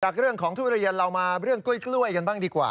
จากเรื่องของทุเรียนเรามาเรื่องกล้วยกันบ้างดีกว่า